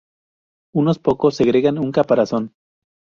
Unos pocos segregan un caparazón.